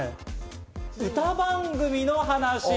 歌番組の話。